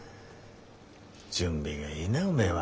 準備がいいなおめえは。